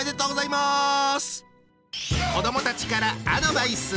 子どもたちからアドバイス。